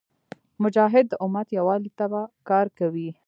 مجاهد د امت یووالي ته کار کوي.